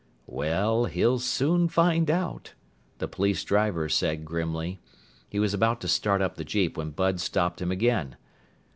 "Well, he'll soon find out," the police driver said grimly. He was about to start up the jeep when Bud stopped him again.